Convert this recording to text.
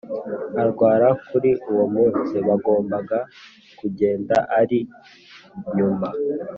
arwara Kuri uwo munsi bagombaga kugenda ari nyuma